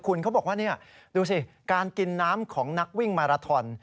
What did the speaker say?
คุณเขาบอกว่านี่ดูสิการกินน้ำของนักวิ่งมาราทอน